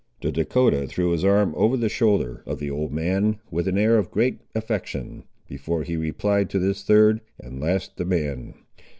The Dahcotah threw his arm over the shoulder of the old man, with an air of great affection, before he replied to this third and last demand.